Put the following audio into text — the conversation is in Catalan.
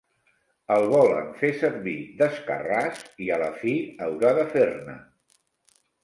El volen fer servir d'escarràs i a la fi haurà de fer-ne.